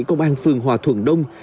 công an phường hòa thuận đông